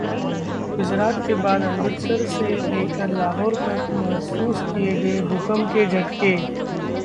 गुजरात के बाद अमृतसर से लेकर लाहौर तक महसूस किए गए भूकंप के झटके